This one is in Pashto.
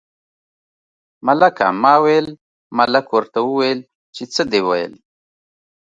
ملکه ما ویل، ملک ورته وویل چې څه دې ویل.